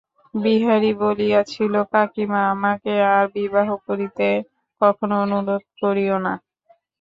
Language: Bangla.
বিহারী বলিয়াছিল, কাকীমা, আমাকে আর বিবাহ করিতে কখনো অনুরোধ করিয়ো না।